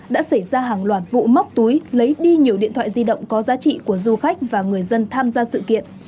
đã xảy ra hàng loạt vụ móc túi lấy đi nhiều điện thoại di động có giá trị của du khách và người dân tham gia sự kiện